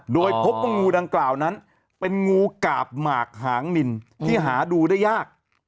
โดยพบว่างูดังกล่าวนั้นเป็นงูกาบหมากหางนินที่หาดูได้ยาก